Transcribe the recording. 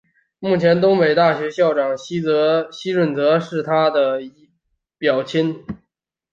前东北大学校长西泽润一是他的表亲。